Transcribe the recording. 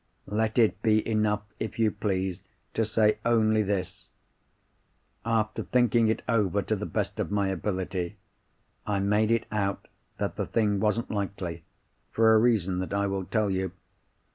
"Let it be enough, if you please, to say only this. After thinking it over to the best of my ability, I made it out that the thing wasn't likely, for a reason that I will tell you.